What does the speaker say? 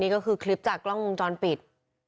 ก็คือคลิปจากกล้องวงจรปิด